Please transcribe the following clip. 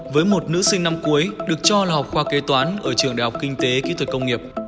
với một nữ sinh năm cuối được cho là học khoa kế toán ở trường đại học kinh tế kỹ thuật công nghiệp